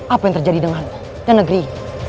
apa yang terjadi denganmu dan negeri